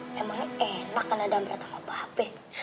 emangnya enak kan ada ampuh atau ngopo hp